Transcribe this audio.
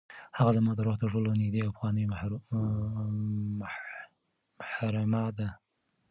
هغه زما د روح تر ټولو نږدې او پخوانۍ محرمه ده.